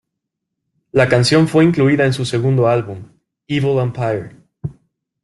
La canción fue incluida en su segundo álbum, "Evil Empire".